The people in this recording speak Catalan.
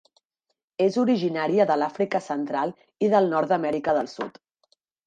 És originària de l'Àfrica central i del nord d'Amèrica del Sud.